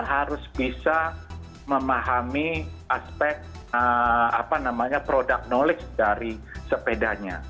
dia harus bisa memahami aspek apa namanya product knowledge dari sepedanya